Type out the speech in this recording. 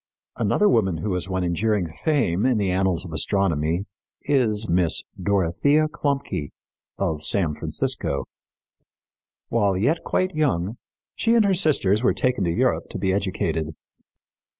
Another woman who has won enduring fame in the annals of astronomy is Miss Dorothea Klumpke, of San Francisco. While yet quite young, she and her sisters were taken to Europe to be educated.